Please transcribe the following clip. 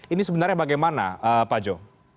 ini sebenarnya bagaimana pak jo